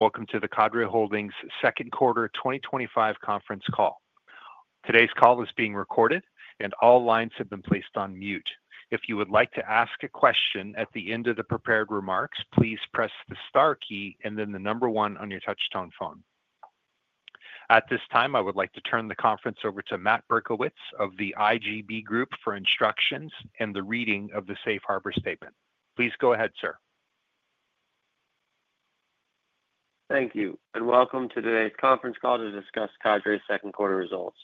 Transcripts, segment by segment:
Welcome to the Cadre Holdings second quarter 2025 conference call. Today's call is being recorded, and all lines have been placed on mute. If you would like to ask a question at the end of the prepared remarks, please press the star key and then the number one on your touch-tone phone. At this time, I would like to turn the conference over to Matt Berkowitz of the IGB Group for instructions and the reading of the Safe Harbor Statement. Please go ahead, sir. Thank you, and welcome to today's conference call to discuss Cadre's second quarter results.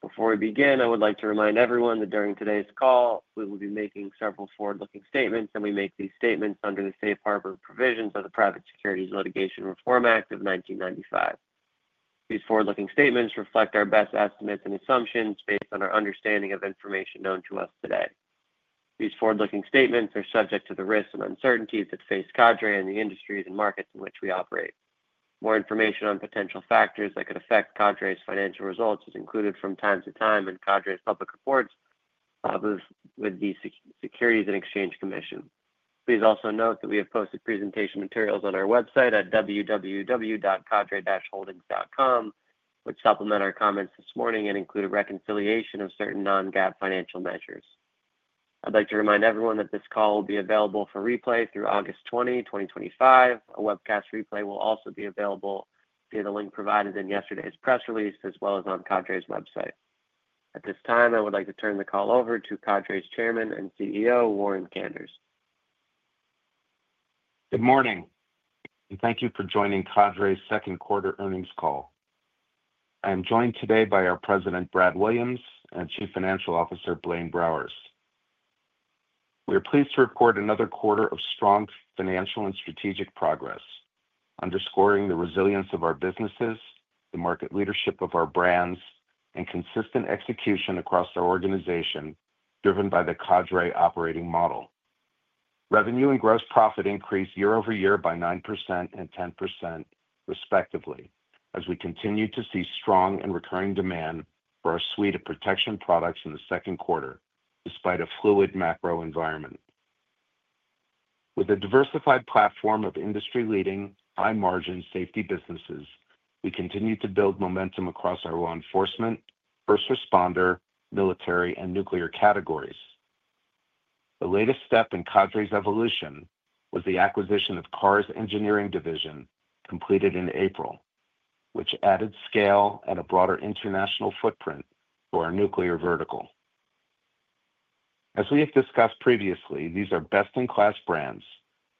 Before we begin, I would like to remind everyone that during today's call, we will be making several forward-looking statements, and we make these statements under the Safe Harbor provisions of the Private Securities Litigation Reform Act of 1995. These forward-looking statements reflect our best estimates and assumptions based on our understanding of information known to us today. These forward-looking statements are subject to the risks and uncertainties that face Cadre and the industries and markets in which we operate. More information on potential factors that could affect Cadre Holdings, Inc.'s financial results is included from time to time in Cadre's public reports with the Securities and Exchange Commission. Please also note that we have posted presentation materials on our website at www.cadre-holdings.com, which supplement our comments this morning and include a reconciliation of certain non-GAAP financial measures. I'd like to remind everyone that this call will be available for replay through August 20, 2025. A webcast replay will also be available via the link provided in yesterday's press release, as well as on Cadre's website. At this time, I would like to turn the call over to Cadre's Chairman and CEO, Warren Kanders. Good morning, and thank you for joining Cadre's second quarter earnings call. I am joined today by our President, Brad Williams, and Chief Financial Officer, Blaine Browers. We are pleased to report another quarter of strong financial and strategic progress, underscoring the resilience of our businesses, the market leadership of our brands, and consistent execution across our organization, driven by the Cadre operating model. Revenue and gross profit increased year-over-year by 9% and 10%, respectively, as we continue to see strong and recurring demand for our suite of protection products in the second quarter, despite a fluid macro environment. With a diversified platform of industry-leading, high-margin safety businesses, we continue to build momentum across our law enforcement, first responder, military, and nuclear categories. The latest step in Cadre's evolution was the acquisition of Carr's Engineering division, completed in April, which added scale and a broader international footprint to our nuclear vertical. As we have discussed previously, these are best-in-class brands,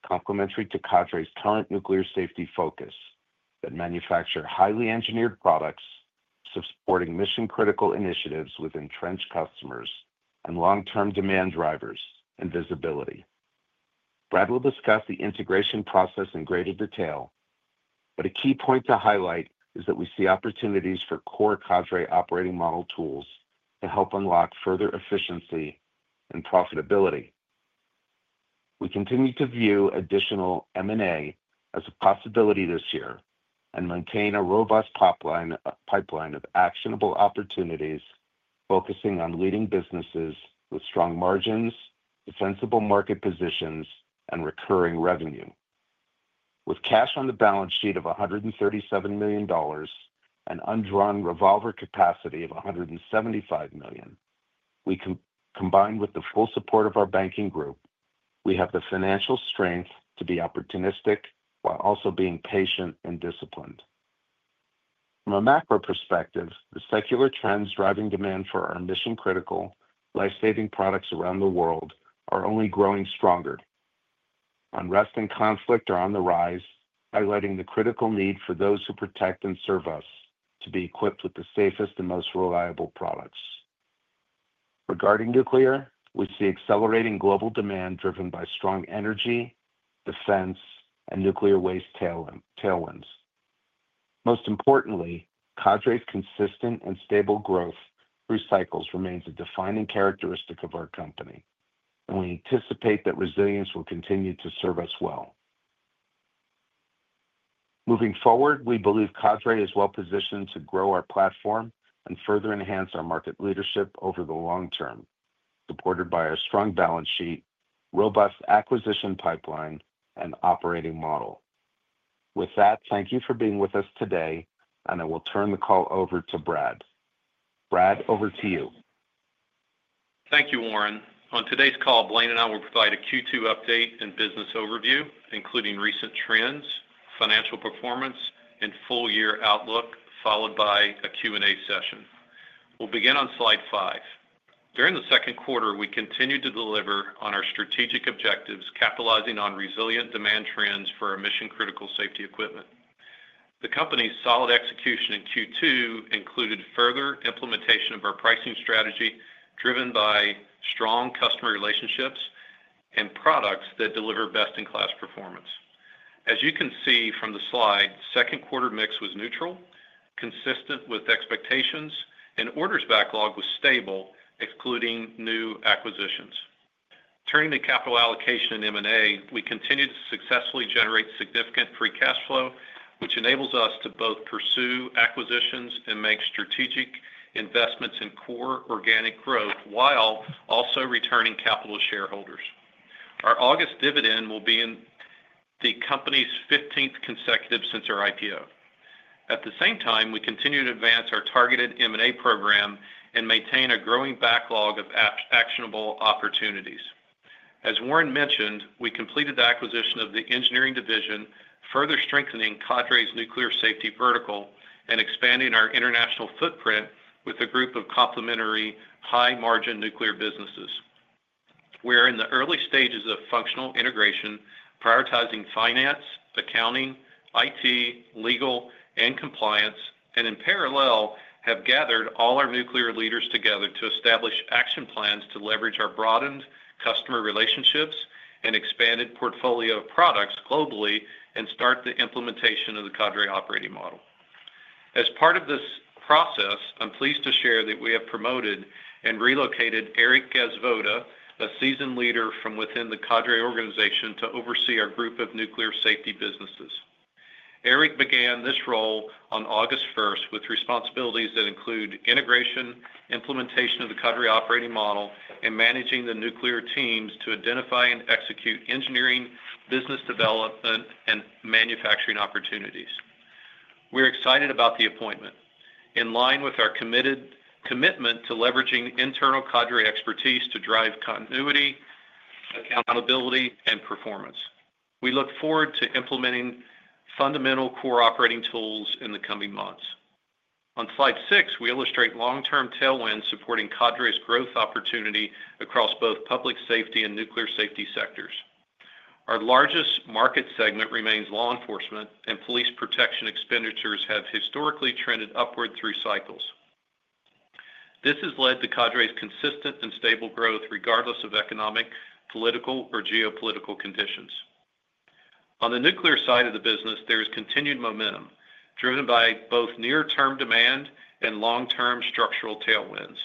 complementary to Cadre's current nuclear safety focus, that manufacture highly engineered products, supporting mission-critical initiatives with entrenched customers and long-term demand drivers and visibility. Brad will discuss the integration process in greater detail, but a key point to highlight is that we see opportunities for core Cadre operating model tools to help unlock further efficiency and profitability. We continue to view additional M&A as a possibility this year and maintain a robust pipeline of actionable opportunities, focusing on leading businesses with strong margins, defensible market positions, and recurring revenue. With cash on the balance sheet of $137 million and undrawn revolver capacity of $175 million, combined with the full support of our banking group, we have the financial strength to be opportunistic while also being patient and disciplined. From a macro perspective, the secular trends driving demand for our mission-critical, life-saving products around the world are only growing stronger. Unrest and conflict are on the rise, highlighting the critical need for those who protect and serve us to be equipped with the safest and most reliable products. Regarding nuclear, we see accelerating global demand driven by strong energy, defense, and nuclear waste tailwinds. Most importantly, Cadre's consistent and stable growth through cycles remains a defining characteristic of our company, and we anticipate that resilience will continue to serve us well. Moving forward, we believe Cadre is well-positioned to grow our platform and further enhance our market leadership over the long term, supported by our strong balance sheet, robust acquisition pipeline, and operating model. With that, thank you for being with us today, and I will turn the call over to Brad. Brad, over to you. Thank you, Warren. On today's call, Blaine and I will provide a Q2 update and business overview, including recent trends, financial performance, and full-year outlook, followed by a Q&A session. We'll begin on slide five. During the second quarter, we continued to deliver on our strategic objectives, capitalizing on resilient demand trends for our mission-critical safety equipment. The company's solid execution in Q2 included further implementation of our pricing strategy, driven by strong customer relationships and products that deliver best-in-class performance. As you can see from the slide, the second quarter mix was neutral, consistent with expectations, and orders backlog was stable, excluding new acquisitions. Turning to capital allocation and M&A, we continue to successfully generate significant free cash flow, which enables us to both pursue acquisitions and make strategic investments in core organic growth while also returning capital to shareholders. Our August dividend will be the company's 15th consecutive since our IPO. At the same time, we continue to advance our targeted M&A program and maintain a growing backlog of actionable opportunities. As Warren mentioned, we completed the acquisition of the engineering division, further strengthening Cadre's nuclear safety vertical and expanding our international footprint with a group of complementary, high-margin nuclear businesses. We are in the early stages of functional integration, prioritizing finance, accounting, IT, legal, and compliance, and in parallel have gathered all our nuclear leaders together to establish action plans to leverage our broadened customer relationships and expanded portfolio of products globally and start the implementation of the Cadre operating model. As part of this process, I'm pleased to share that we have promoted and relocated Eric Gasvoda, a seasoned leader from within the Cadre organization, to oversee our group of nuclear safety businesses. Eric began this role on August 1st with responsibilities that include integration, implementation of the Cadre operating model, and managing the nuclear teams to identify and execute engineering, business development, and manufacturing opportunities. We are excited about the appointment, in line with our commitment to leveraging internal Cadre expertise to drive continuity, accountability, and performance. We look forward to implementing fundamental core operating tools in the coming months. On slide six, we illustrate long-term tailwinds supporting Cadre's growth opportunity across both public safety and nuclear safety sectors. Our largest market segment remains law enforcement, and police protection expenditures have historically trended upward through cycles. This has led to Cadre's consistent and stable growth, regardless of economic, political, or geopolitical conditions. On the nuclear side of the business, there is continued momentum, driven by both near-term demand and long-term structural tailwinds.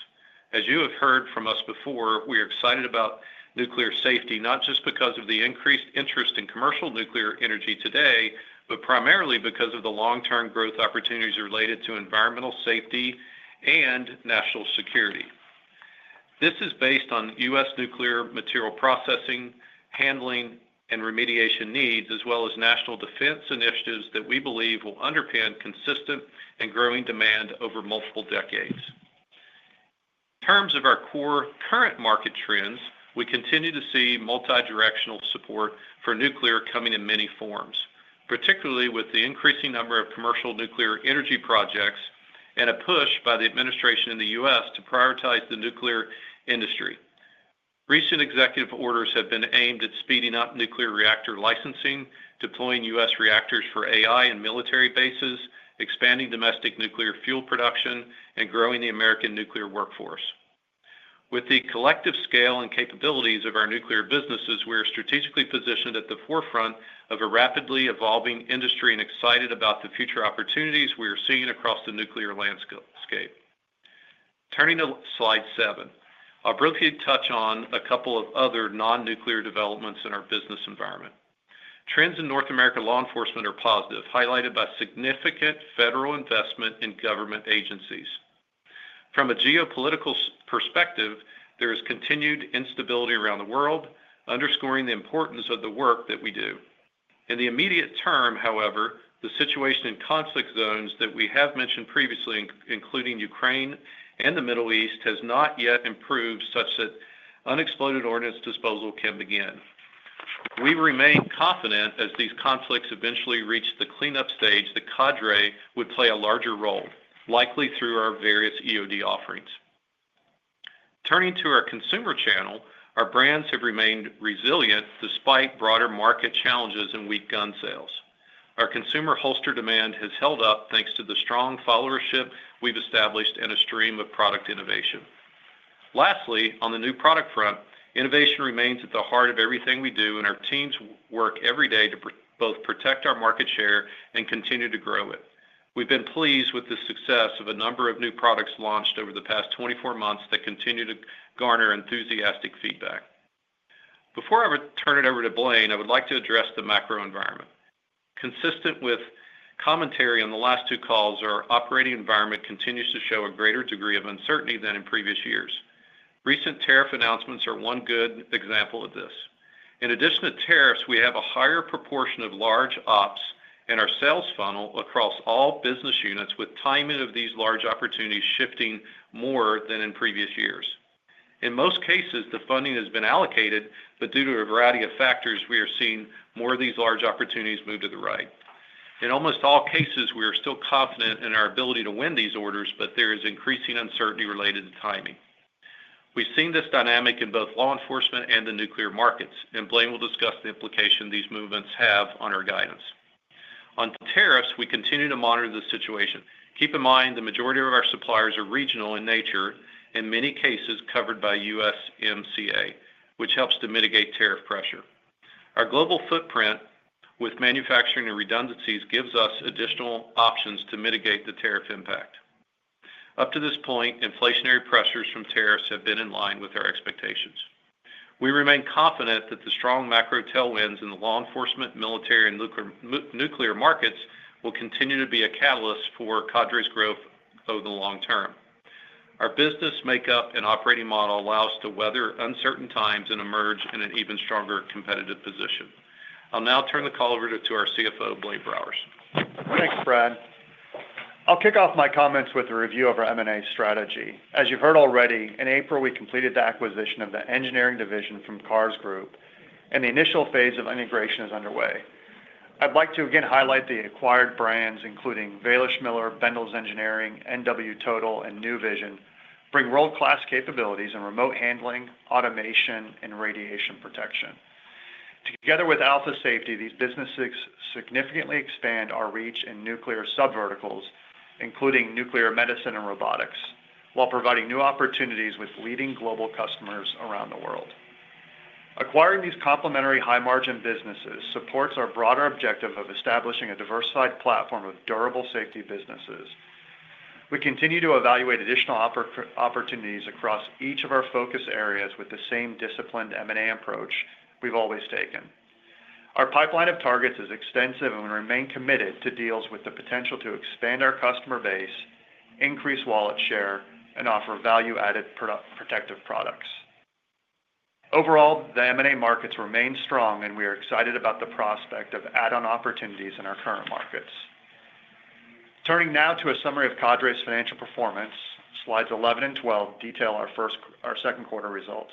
As you have heard from us before, we are excited about nuclear safety, not just because of the increased interest in commercial nuclear energy today, but primarily because of the long-term growth opportunities related to environmental safety and national security. This is based on U.S. nuclear material processing, handling, and remediation needs, as well as national defense initiatives that we believe will underpin consistent and growing demand over multiple decades. In terms of our core current market trends, we continue to see multidirectional support for nuclear coming in many forms, particularly with the increasing number of commercial nuclear energy projects and a push by the administration in the U.S. to prioritize the nuclear industry. Recent executive orders have been aimed at speeding up nuclear reactor licensing, deploying U.S. reactors for AI and military bases, expanding domestic nuclear fuel production, and growing the American nuclear workforce. With the collective scale and capabilities of our nuclear businesses, we are strategically positioned at the forefront of a rapidly evolving industry and excited about the future opportunities we are seeing across the nuclear landscape. Turning to slide seven, I'll briefly touch on a couple of other non-nuclear developments in our business environment. Trends in North America law enforcement are positive, highlighted by significant federal investment in government agencies. From a geopolitical perspective, there is continued instability around the world, underscoring the importance of the work that we do. In the immediate term, however, the situation in conflict zones that we have mentioned previously, including Ukraine and the Middle East, has not yet improved such that unexploded ordnance disposal can begin. We remain confident as these conflicts eventually reach the cleanup stage, that Cadre would play a larger role, likely through our various EOD offerings. Turning to our consumer channel, our brands have remained resilient despite broader market challenges and weak gun sales. Our consumer holster demand has held up thanks to the strong followership we've established and a stream of product innovation. Lastly, on the new product front, innovation remains at the heart of everything we do, and our teams work every day to both protect our market share and continue to grow it. We've been pleased with the success of a number of new products launched over the past 24 months that continue to garner enthusiastic feedback. Before I turn it over to Blaine, I would like to address the macro environment. Consistent with commentary on the last two calls, our operating environment continues to show a greater degree of uncertainty than in previous years. Recent tariff announcements are one good example of this. In addition to tariffs, we have a higher proportion of large ops in our sales funnel across all business units, with timing of these large opportunities shifting more than in previous years. In most cases, the funding has been allocated, but due to a variety of factors, we are seeing more of these large opportunities move to the right. In almost all cases, we are still confident in our ability to win these orders, but there is increasing uncertainty related to timing. We've seen this dynamic in both law enforcement and the nuclear markets, and Blaine will discuss the implication these movements have on our guidance. On tariffs, we continue to monitor the situation. Keep in mind the majority of our suppliers are regional in nature, in many cases covered by USMCA, which helps to mitigate tariff pressure. Our global footprint, with manufacturing and redundancies, gives us additional options to mitigate the tariff impact. Up to this point, inflationary pressures from tariffs have been in line with our expectations. We remain confident that the strong macro tailwinds in the law enforcement, military, and nuclear markets will continue to be a catalyst for Cadre's growth over the long term. Our business makeup and operating model allow us to weather uncertain times and emerge in an even stronger competitive position. I'll now turn the call over to our CFO, Blaine Browers. Thanks, Brad. I'll kick off my comments with a review of our M&A strategy. As you've heard already, in April, we completed the acquisition of the Engineering division from Carr's Group, and the initial phase of integration is underway. I'd like to again highlight the acquired brands, including Wälischmiller, Bendalls Engineering, NW Total, and NuVision, bring world-class capabilities in remote handling, automation, and radiation protection. Together with Alpha Safety, these businesses significantly expand our reach in nuclear sub-verticals, including nuclear medicine and robotics, while providing new opportunities with leading global customers around the world. Acquiring these complementary high-margin businesses supports our broader objective of establishing a diversified platform of durable safety businesses. We continue to evaluate additional opportunities across each of our focus areas with the same disciplined M&A approach we've always taken. Our pipeline of targets is extensive, and we remain committed to deals with the potential to expand our customer base, increase wallet share, and offer value-added protective products. Overall, the M&A markets remain strong, and we are excited about the prospect of add-on opportunities in our current markets. Turning now to a summary of Cadre's financial performance, slides 11 and 12 detail our second quarter results.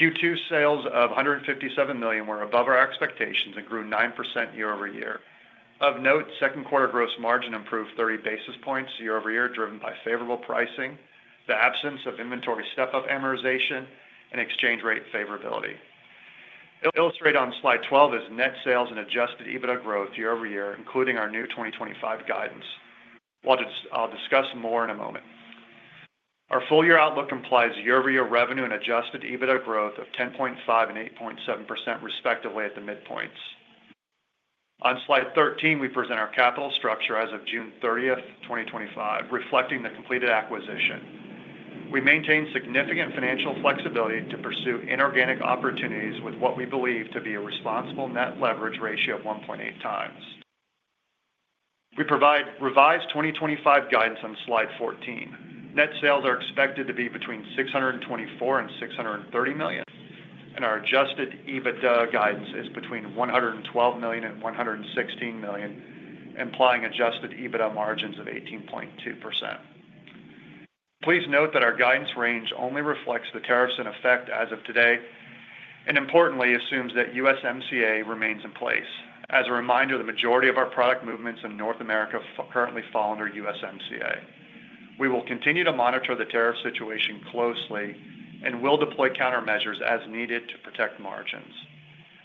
Q2 sales of $157 million were above our expectations and grew 9% year-over-year. Of note, second quarter gross margin improved 30 basis points year-over-year, driven by favorable pricing, the absence of inventory step-up amortization, and exchange rate favorability. Illustrated on slide 12 is net sales and adjusted EBITDA growth year-over-year, including our new 2025 guidance, which I'll discuss more in a moment. Our full-year outlook implies year-over-year revenue and adjusted EBITDA growth of 10.5% and 8.7%, respectively, at the midpoints. On slide 13, we present our capital structure as of June 30, 2025, reflecting the completed acquisition. We maintain significant financial flexibility to pursue inorganic opportunities with what we believe to be a responsible net leverage ratio of 1.8 times. We provide revised 2025 guidance on slide 14. Net sales are expected to be between $624 million and $630 million, and our adjusted EBITDA guidance is between $112 million and $116 million, implying adjusted EBITDA margins of 18.2%. Please note that our guidance range only reflects the tariffs in effect as of today and, importantly, assumes that USMCA remains in place. As a reminder, the majority of our product movements in North America currently fall under USMCA. We will continue to monitor the tariff situation closely and will deploy countermeasures as needed to protect margins.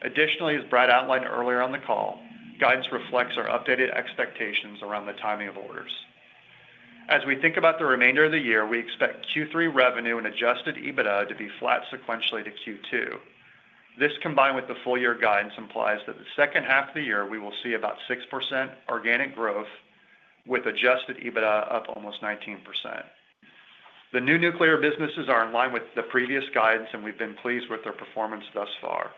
Additionally, as Brad outlined earlier on the call, guidance reflects our updated expectations around the timing of orders. As we think about the remainder of the year, we expect Q3 revenue and adjusted EBITDA to be flat sequentially to Q2. This, combined with the full-year guidance, implies that the second half of the year we will see about 6% organic growth, with adjusted EBITDA up almost 19%. The new nuclear businesses are in line with the previous guidance, and we've been pleased with their performance thus far.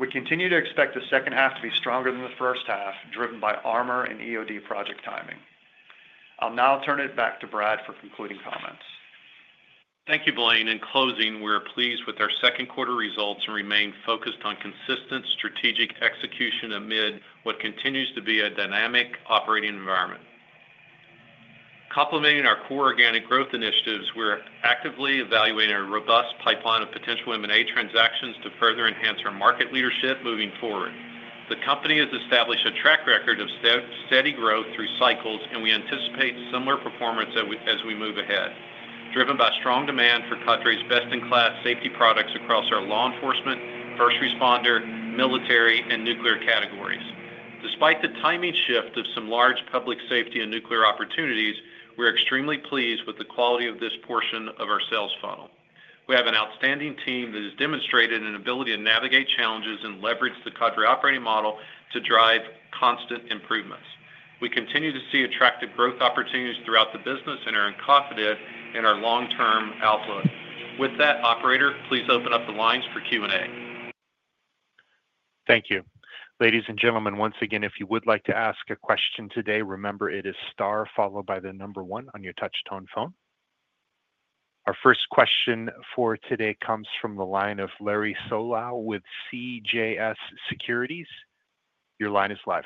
We continue to expect the second half to be stronger than the first half, driven by armor and EOD project timing. I'll now turn it back to Brad for concluding comments. Thank you, Blaine. In closing, we are pleased with our second quarter results and remain focused on consistent strategic execution amid what continues to be a dynamic operating environment. Complementing our core organic growth initiatives, we're actively evaluating a robust pipeline of potential M&A transactions to further enhance our market leadership moving forward. The company has established a track record of steady growth through cycles, and we anticipate similar performance as we move ahead, driven by strong demand for Cadre's best-in-class safety products across our law enforcement, first responder, military, and nuclear categories. Despite the timing shift of some large public safety and nuclear opportunities, we're extremely pleased with the quality of this portion of our sales funnel. We have an outstanding team that has demonstrated an ability to navigate challenges and leverage the Cadre operating model to drive constant improvements. We continue to see attractive growth opportunities throughout the business and are confident in our long-term outlook. With that, operator, please open up the lines for Q&A. Thank you. Ladies and gentlemen, once again, if you would like to ask a question today, remember it is star followed by the number one on your touch-tone phone. Our first question for today comes from the line of Larry Solow with CJS Securities. Your line is live.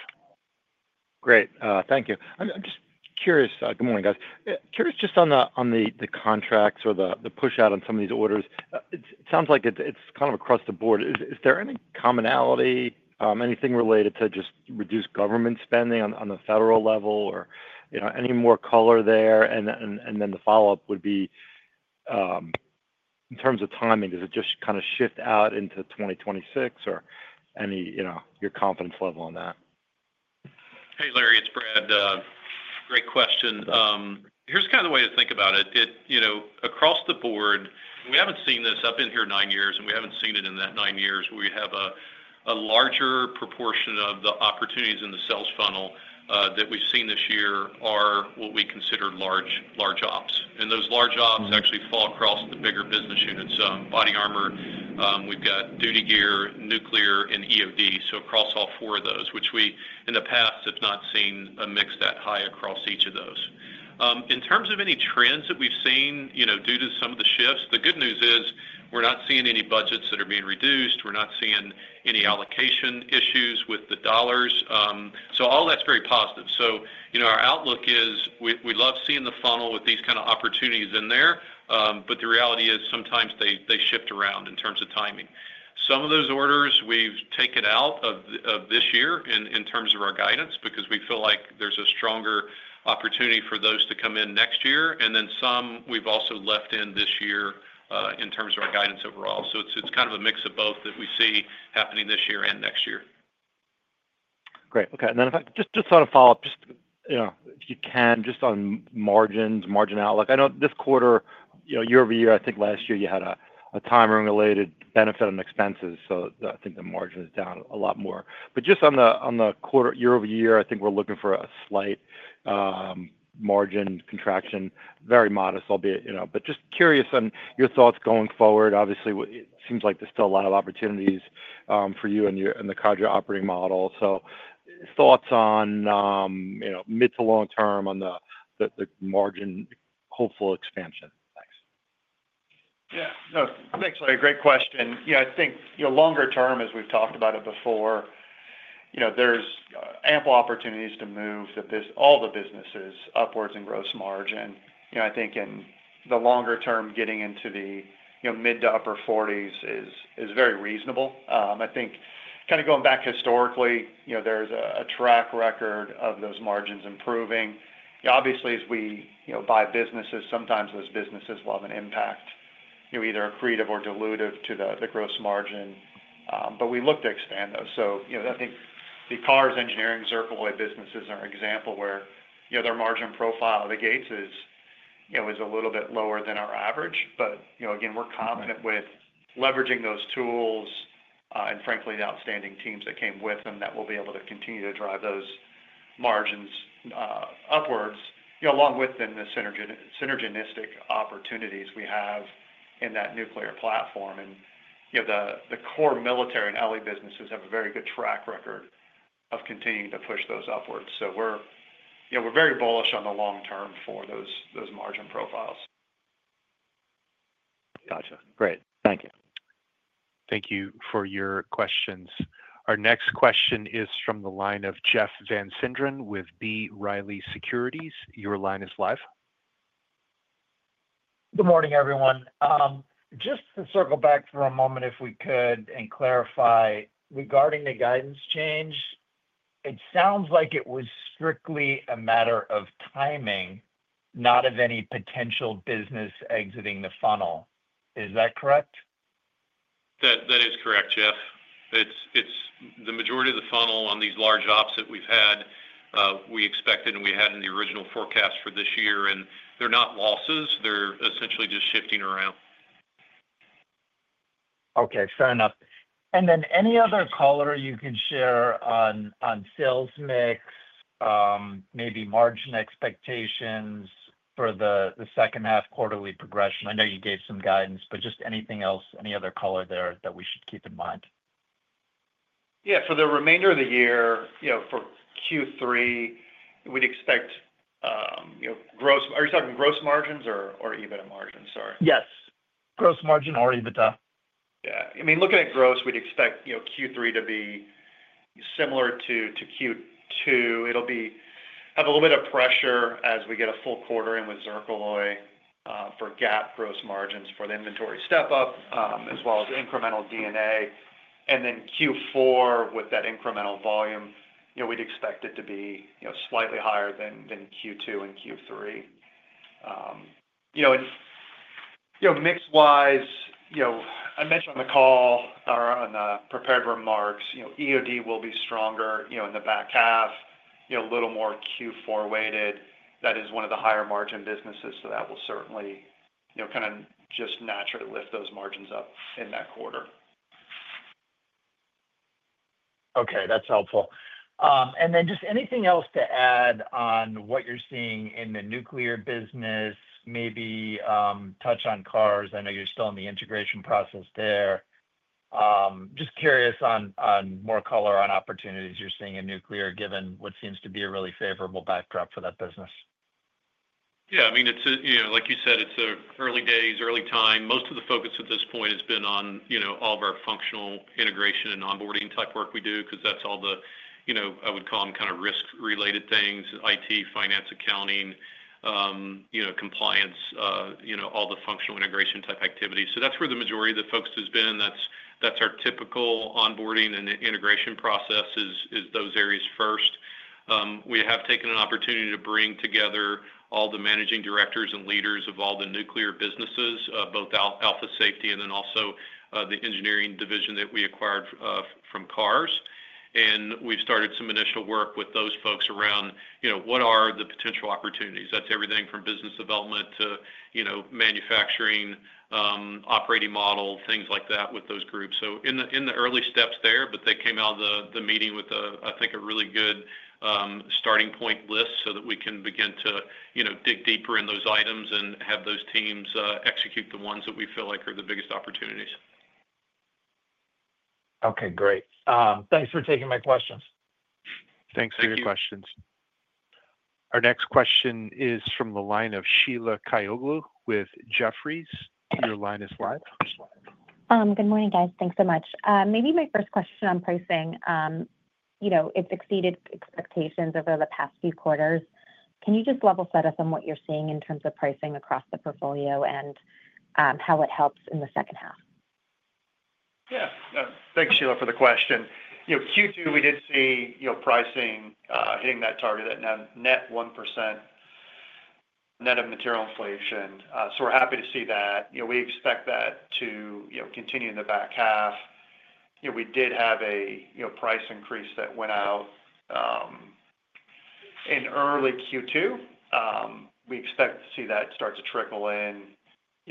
Great. Thank you. I'm just curious. Good morning, guys. Curious just on the contracts or the push-out on some of these orders. It sounds like it's kind of across the board. Is there any commonality, anything related to just reduced government spending on the federal level or any more color there? The follow-up would be in terms of timing, does it just kind of shift out into 2026 or any your confidence level on that? Hey, Larry, it's Brad. Great question. Here's kind of the way to think about it. Across the board, we haven't seen this up in here nine years, and we haven't seen it in that nine years. We have a larger proportion of the opportunities in the sales funnel that we've seen this year are what we consider large ops. Those large ops actually fall across the bigger business units, body armor. We've got duty gear, nuclear, and EOD. Across all four of those, which we in the past have not seen a mix that high across each of those. In terms of any trends that we've seen, due to some of the shifts, the good news is we're not seeing any budgets that are being reduced. We're not seeing any allocation issues with the dollars. All that's very positive. Our outlook is we love seeing the funnel with these kind of opportunities in there. The reality is sometimes they shift around in terms of timing. Some of those orders we've taken out of this year in terms of our guidance because we feel like there's a stronger opportunity for those to come in next year. Some we've also left in this year in terms of our guidance overall. It's kind of a mix of both that we see happening this year and next year. Great. Okay. Just to sort of follow up, just, you know, if you can, just on margins, margin outlook. I know this quarter, you know, year-over-year, I think last year you had a timing-related benefit on expenses. I think the margin is down a lot more. Just on the quarter year-over-year, I think we're looking for a slight margin contraction, very modest, albeit, you know, just curious on your thoughts going forward. Obviously, it seems like there's still a lot of opportunities for you and the Cadre operating model. Thoughts on, you know, mid-to long-term on the margin, hopeful expansion. Thanks. Yeah, no, thanks, Larry. Great question. I think, longer term, as we've talked about it before, there's ample opportunities to move all the businesses upwards in gross margin. I think in the longer term, getting into the mid to upper 40% is very reasonable. I think kind of going back historically, there's a track record of those margins improving. Obviously, as we buy businesses, sometimes those businesses will have an impact, either accretive or dilutive to the gross margin. We look to expand those. I think the Carr's Engineering Zircaloy business is our example where their margin profile out of the gates is a little bit lower than our average. Again, we're confident with leveraging those tools and, frankly, the outstanding teams that came with them that will be able to continue to drive those margins upwards, along with the synergistic opportunities we have in that nuclear platform. The core military and alley businesses have a very good track record of continuing to push those upwards. We're very bullish on the long term for those margin profiles. Gotcha. Great. Thank you. Thank you for your questions. Our next question is from the line of Jeff Van Sinderen with B. Riley Securities. Your line is live. Good morning, everyone. Just to circle back for a moment, if we could, and clarify regarding the guidance change, it sounds like it was strictly a matter of timing, not of any potential business exiting the funnel. Is that correct? That is correct, Jeff. It's the majority of the funnel on these large ops that we've had, we expected and we had in the original forecast for this year, and they're not losses. They're essentially just shifting around. Okay, fair enough. Any other color you could share on sales mix, maybe margin expectations for the second half quarterly progression? I know you gave some guidance, but just anything else, any other color there that we should keep in mind? Yeah, for the remainder of the year, for Q3, we'd expect, are you talking gross margins or EBITDA margins? Sorry. Yes, gross margin or EBITDA. Yeah, I mean, looking at gross, we'd expect Q3 to be similar to Q2. It'll have a little bit of pressure as we get a full quarter in with Zircaloy for GAAP gross margins for the inventory step-up, as well as incremental DNA. Q4 with that incremental volume, we'd expect it to be slightly higher than Q2 and Q3. Mix-wise, I mentioned on the call or on the prepared remarks, EOD will be stronger in the back half, a little more Q4 weighted. That is one of the higher margin businesses, so that will certainly just naturally lift those margins up in that quarter. Okay, that's helpful. Is there anything else to add on what you're seeing in the nuclear business, maybe touch on Carr's? I know you're still in the integration process there. Just curious on more color on opportunities you're seeing in nuclear, given what seems to be a really favorable backdrop for that business. Yeah, I mean, it's, you know, like you said, it's early days, early time. Most of the focus at this point has been on, you know, all of our functional integration and onboarding type work we do because that's all the, you know, I would call them kind of risk-related things: IT, finance, accounting, compliance, you know, all the functional integration type activities. That's where the majority of the focus has been. That's our typical onboarding and integration process, those areas first. We have taken an opportunity to bring together all the Managing Directors and leaders of all the nuclear businesses, both Alpha Safety and then also the engineering division that we acquired from Carr's. We've started some initial work with those folks around, you know, what are the potential opportunities? That's everything from business development to manufacturing, operating model, things like that with those groups. In the early steps there, they came out of the meeting with, I think, a really good starting point list so that we can begin to dig deeper in those items and have those teams execute the ones that we feel like are the biggest opportunities. Okay, great. Thanks for taking my questions. Thanks for your questions. Our next question is from the line of Sheila Kahyaoglu with Jefferies. Your line is live. Good morning, guys. Thanks so much. Maybe my first question on pricing. You know, it's exceeded expectations over the past few quarters. Can you just level set us on what you're seeing in terms of pricing across the portfolio and how it helps in the second half? Yeah. Thanks, Sheila, for the question. Q2, we did see pricing hitting that target, that net 1% net of material inflation. We're happy to see that. We expect that to continue in the back half. We did have a price increase that went out in early Q2. We expect to see that start to trickle in,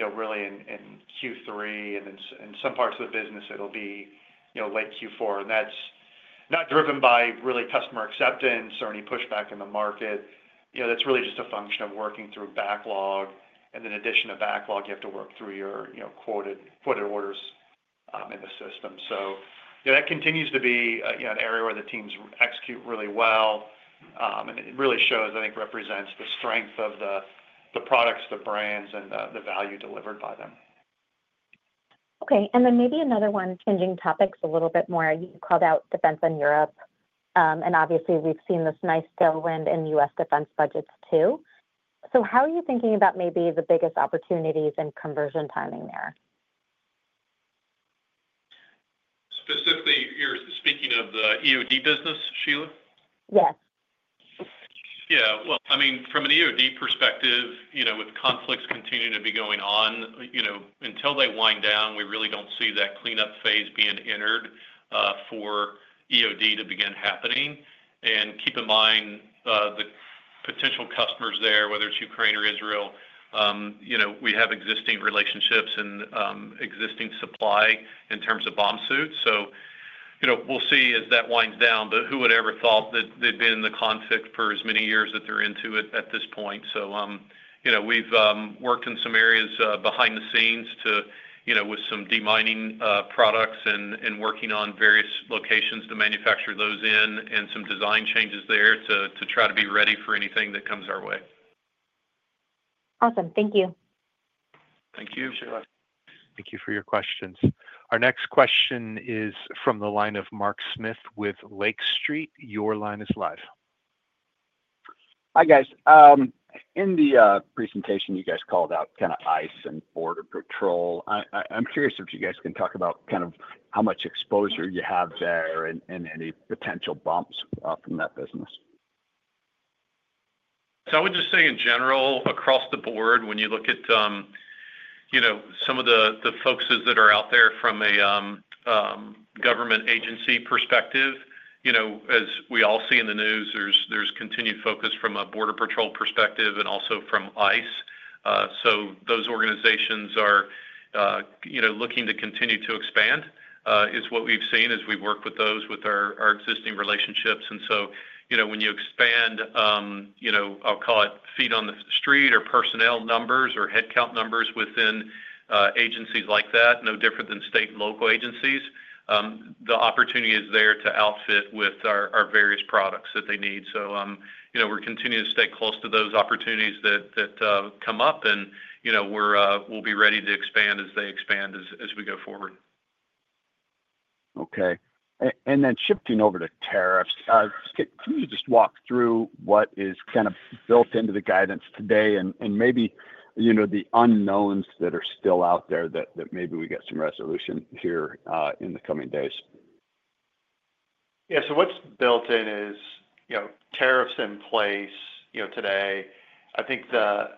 really in Q3, and then in some parts of the business, it'll be late Q4. That's not driven by really customer acceptance or any pushback in the market. That's really just a function of working through backlog. In addition to backlog, you have to work through your quoted orders in the system. That continues to be an area where the teams execute really well. It really shows, I think, represents the strength of the products, the brands, and the value delivered by them. Okay. Maybe another one, changing topics a little bit more. You called out defense in Europe. Obviously, we've seen this nice tailwind in the U.S. defense budgets too. How are you thinking about maybe the biggest opportunities in conversion timing there? Specifically, you're speaking of the explosive ordnance disposal business, Sheila? Yes. Yeah. I mean, from an EOD perspective, you know, with conflicts continuing to be going on, you know, until they wind down, we really don't see that cleanup phase being entered, for EOD to begin happening. Keep in mind, the potential customers there, whether it's Ukraine or Israel, you know, we have existing relationships and existing supply in terms of bomb suits. We'll see as that winds down. Who would have ever thought that they'd been in the conflict for as many years that they're into it at this point? We've worked in some areas behind the scenes to, you know, with some demining products and working on various locations to manufacture those in and some design changes there to try to be ready for anything that comes our way. Awesome. Thank you. Thank you, Sheila. Thank you for your questions. Our next question is from the line of Mark Smith with Lake Street. Your line is live. Hi, guys. In the presentation, you guys called out kind of ICE and Border Patrol. I'm curious if you guys can talk about kind of how much exposure you have there and any potential bumps from that business. I would just say, in general, across the board, when you look at some of the focuses that are out there from a government agency perspective, as we all see in the news, there's continued focus from a Border Patrol perspective and also from ICE. Those organizations are looking to continue to expand, is what we've seen as we work with those with our existing relationships. When you expand, I'll call it feet on the street or personnel numbers or headcount numbers within agencies like that, no different than state and local agencies, the opportunity is there to outfit with our various products that they need. We're continuing to stay close to those opportunities that come up, and we'll be ready to expand as they expand as we go forward. Okay. Shifting over to tariffs, can you just walk through what is kind of built into the guidance today and maybe, you know, the unknowns that are still out there that maybe we get some resolution here in the coming days? Yeah. What's built in is tariffs in place today. I think the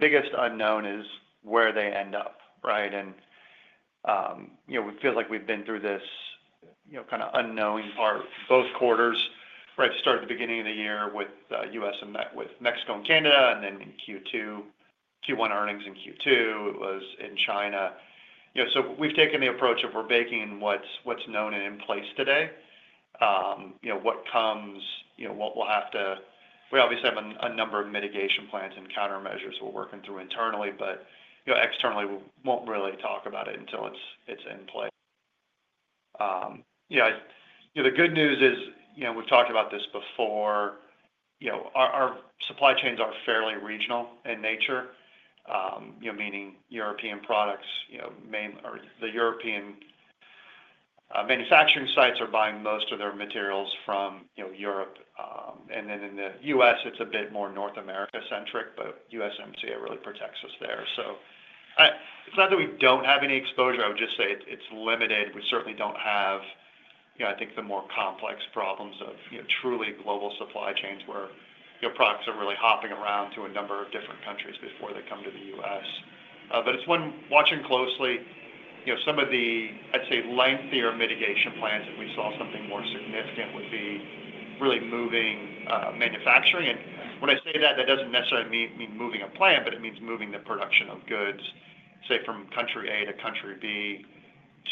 biggest unknown is where they end up, right? It feels like we've been through this kind of unknown part both quarters, right? Started at the beginning of the year with U.S. and with Mexico and Canada, and then in Q1 earnings in Q2, it was in China. We've taken the approach of baking in what's known and in place today. What comes, we'll have to, we obviously have a number of mitigation plans and countermeasures we're working through internally, but externally, we won't really talk about it until it's in play. The good news is we've talked about this before, our supply chains are fairly regional in nature, meaning European products, mainly, or the European manufacturing sites are buying most of their materials from Europe. In the U.S., it's a bit more North America-centric, but USMCA really protects us there. It's not that we don't have any exposure. I would just say it's limited. We certainly don't have, I think, the more complex problems of truly global supply chains where products are really hopping around to a number of different countries before they come to the U.S. It's one we're watching closely. Some of the, I'd say, lengthier mitigation plans that we saw if something more significant would be really moving manufacturing. When I say that, that doesn't necessarily mean moving a plant, but it means moving the production of goods, say, from country A to country B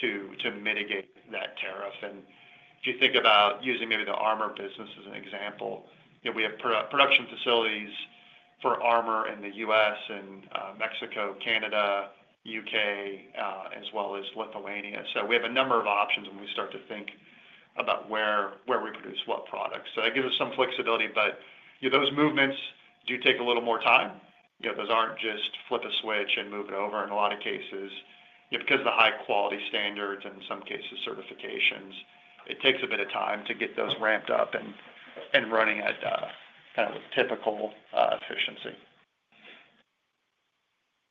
to mitigate that tariff. If you think about using maybe the armor business as an example, we have production facilities for armor in the U.S. and Mexico, Canada, U.K., as well as Lithuania. We have a number of options when we start to think about where we produce what products. That gives us some flexibility, but those movements do take a little more time. Those aren't just flip a switch and move it over. In a lot of cases, because of the high-quality standards and in some cases certifications, it takes a bit of time to get those ramped up and running at kind of typical efficiency.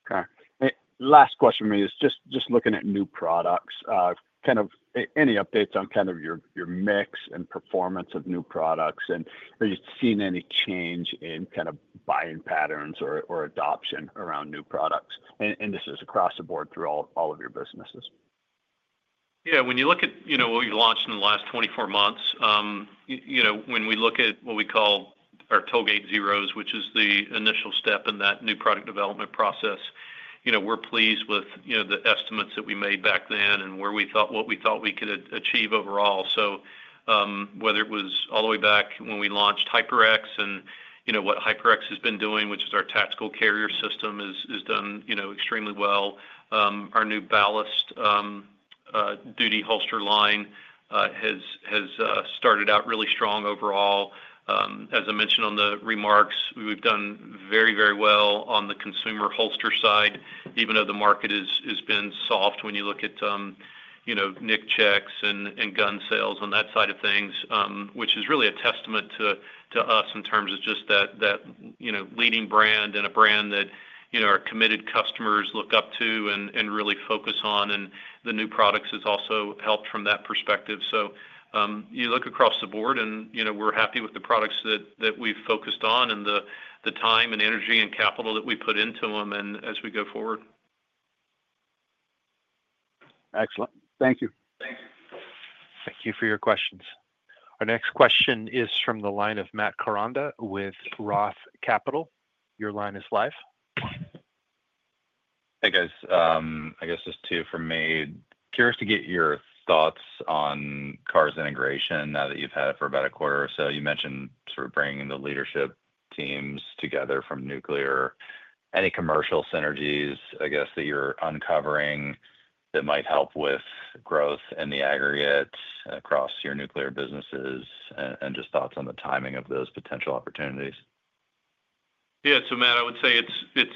Okay. Last question for me is just looking at new products, kind of any updates on kind of your mix and performance of new products, and are you seeing any change in kind of buying patterns or adoption around new products? This is across the board through all of your businesses. Yeah. When you look at, you know, what we launched in the last 24 months, when we look at what we call our Toll Gate Zeros, which is the initial step in that new product development process, we're pleased with the estimates that we made back then and where we thought we could achieve overall. Whether it was all the way back when we launched HyperX and what HyperX has been doing, which is our tactical carrier system, it has done extremely well. Our new Ballast duty holster line has started out really strong overall. As I mentioned in the remarks, we've done very, very well on the consumer holster side, even though the market has been soft when you look at, you know, NICS checks and gun sales on that side of things, which is really a testament to us in terms of just that leading brand and a brand that our committed customers look up to and really focus on. The new products have also helped from that perspective. You look across the board and we're happy with the products that we've focused on and the time and energy and capital that we put into them as we go forward. Excellent. Thank you. Thank you for your questions. Our next question is from the line of Matt Koranda with Roth Capital. Your line is live. Hey, guys. I guess this too for me. Curious to get your thoughts on Carr's integration now that you've had it for about a quarter or so. You mentioned sort of bringing the leadership teams together from nuclear. Any commercial synergies, I guess, that you're uncovering that might help with growth in the aggregate across your nuclear businesses and just thoughts on the timing of those potential opportunities? Yeah, to Matt, I would say it's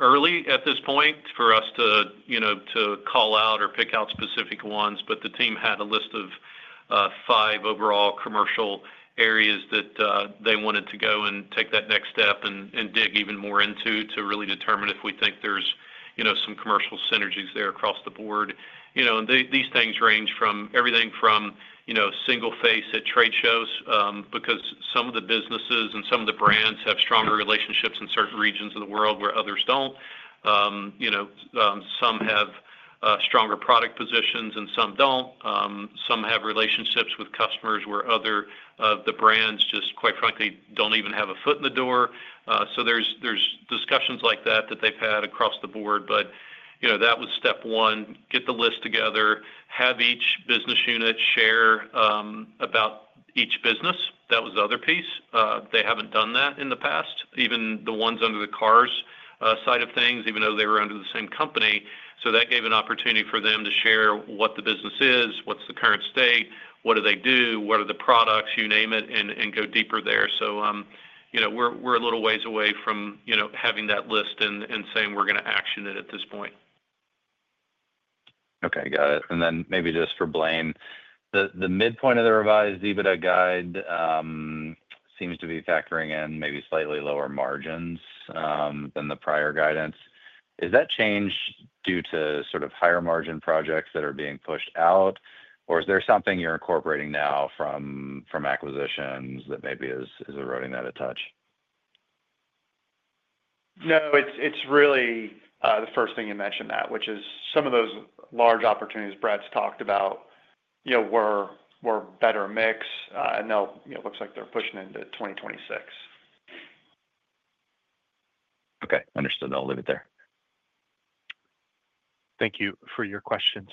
early at this point for us to, you know, to call out or pick out specific ones, but the team had a list of five overall commercial areas that they wanted to go and take that next step and dig even more into to really determine if we think there's, you know, some commercial synergies there across the board. These things range from everything from, you know, single face at trade shows because some of the businesses and some of the brands have stronger relationships in certain regions of the world where others don't. Some have stronger product positions and some don't. Some have relationships with customers where other of the brands just, quite frankly, don't even have a foot in the door. There's discussions like that that they've had across the board. That was step one, get the list together, have each business unit share about each business. That was the other piece. They haven't done that in the past, even the ones under the Carr's side of things, even though they were under the same company. That gave an opportunity for them to share what the business is, what's the current state, what do they do, what are the products, you name it, and go deeper there. We're a little ways away from having that list and saying we're going to action it at this point. Okay, got it. Maybe just for Blaine, the midpoint of the revised EBITDA guide seems to be factoring in maybe slightly lower margins than the prior guidance. Is that changed due to sort of higher margin projects that are being pushed out, or is there something you're incorporating now from acquisitions that maybe is eroding that a touch? No, it's really the first thing you mentioned, which is some of those large opportunities Brad's talked about were better mixed, and now it looks like they're pushing into 2026. Okay, understood. I'll leave it there. Thank you for your questions.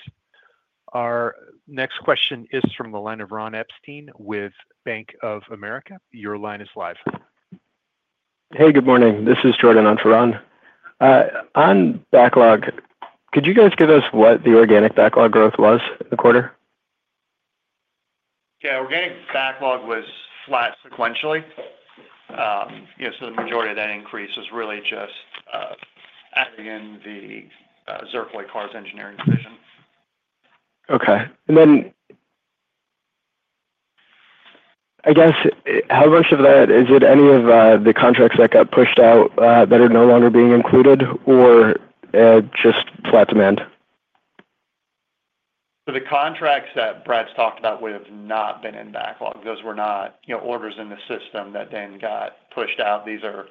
Our next question is from the line of Ron Epstein with Bank of America. Your line is live. Hey, good morning. This is Jordan on for Ron. On backlog, could you guys give us what the organic backlog growth was the quarter? Yeah, organic backlog was flat sequentially. The majority of that increase was really just adding in the Zircaloy Carr's Engineering division. Okay. I guess, how much of that is it any of the contracts that got pushed out that are no longer being included, or just flat demand? The contracts that Brad's talked about would have not been in backlog. Those were not, you know, orders in the system that then got pushed out. These are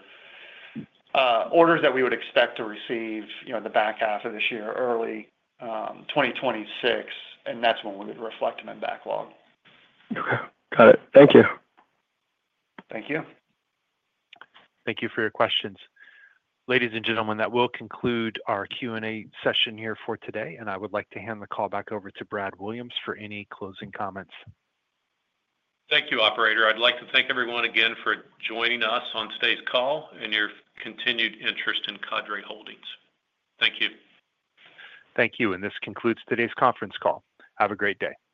orders that we would expect to receive, you know, in the back half of this year, early 2026, and that's when we would reflect them in backlog. Okay. Got it. Thank you. Thank you. Thank you for your questions. Ladies and gentlemen, that will conclude our Q&A session here for today, and I would like to hand the call back over to Brad Williams for any closing comments. Thank you, operator. I'd like to thank everyone again for joining us on today's call and your continued interest in Cadre Holdings. Thank you. Thank you. This concludes today's conference call. Have a great day.